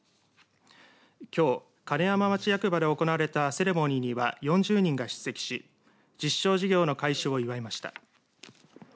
きょう、金山町役場で行われたセレモニーには４０人が出席し実証事業の開始を祝いました。